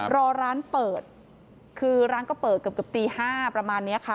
รอร้านเปิดคือร้านก็เปิดเกือบตี๕ประมาณนี้ค่ะ